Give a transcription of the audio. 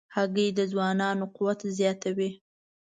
هګۍ د ځوانانو قوت زیاتوي.